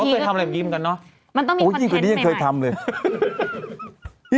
เป็นที่ก็ทีมกันเนาะมันต้องมีอ่ะจริงอย่างนี้ยังเคยทำเลย